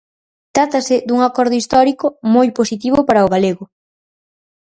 Trátase dun acordo histórico moi positivo para o galego.